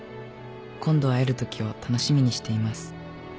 今度会えるときを楽しみにしています。